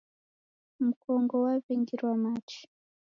Mkongo waw'engirwa machi.